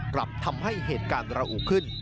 กลับทำให้เหตุการณ์ระอุขึ้น